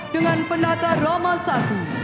dan penata roma i